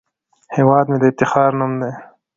هیواد مې د افتخار نوم دی